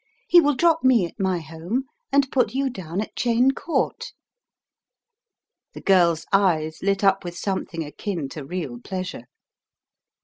He will drop me at my home, and put you down at Cheyne Court." The girl's eyes lit up with something akin to real pleasure.